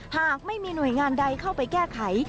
หากไม่มีหน่วยงานใดเข้าไปแก้ไข